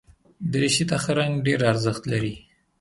دریشي ته ښه رنګ ډېر ارزښت لري.